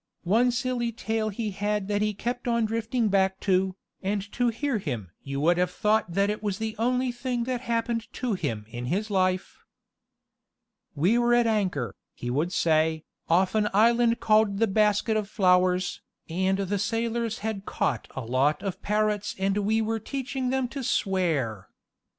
One silly tale he had that he kept on drifting back to, and to hear him you would have thought that it was the only thing that happened to him in his life. "We was at anchor," he would say, "off an island called the Basket of Flowers, and the sailors had caught a lot of parrots and we were teaching them to swear.